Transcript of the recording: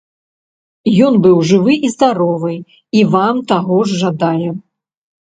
Ён быў жывы і здаровы, і вам таго ж жадае.